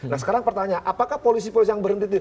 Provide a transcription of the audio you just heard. nah sekarang pertanyaan apakah polisi polisi yang berhenti